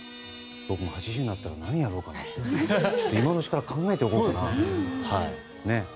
僕も８０になったら何やろうか今のうちから考えておこうかな。